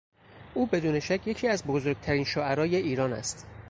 او بدون شک یکی از بزرگترین شعرای ایران است.